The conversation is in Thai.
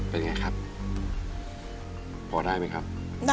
เป็นไงครับพอได้ไหมครับ